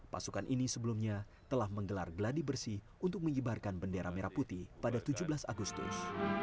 pasukan ini sebelumnya telah menggelar geladi bersih untuk mengibarkan bendera merah putih pada tujuh belas agustus